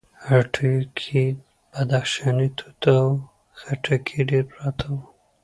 هټيو کې بدخشانی توت او خټکي ډېر پراته وو.